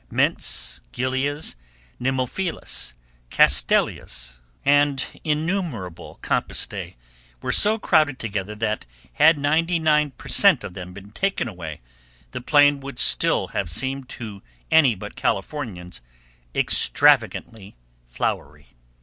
Mints, gilias, nemophilas, castilleias, and innumerable compositae were so crowded together that, had ninety nine per cent. of them been taken away, the plain would still have seemed to any but Californians extravagantly flowery.